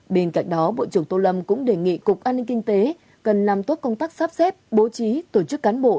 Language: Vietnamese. bên cạnh đó bộ trưởng tô lâm cũng đề nghị cục an ninh kinh tế cần làm tốt công tác sắp xếp bố trí tổ chức cán bộ